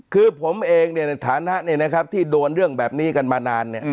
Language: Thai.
คือผมเองเนี่ยฐานะนะครับที่โดนเรื่องแบบนี้กันมานาน